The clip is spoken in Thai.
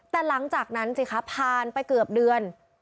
แต่หลังจากนั้นสิคะผ่านไปเกือบเดือน